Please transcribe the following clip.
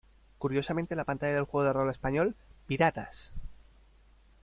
Curiosamente la pantalla del juego de rol español "¡Piratas!